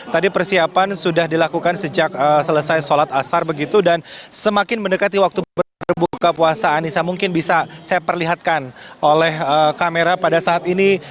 tadi persiapan sudah dilakukan sejak selesai sholat asar begitu dan semakin mendekati waktu berbuka puasa anissa mungkin bisa saya perlihatkan oleh kamera pada saat ini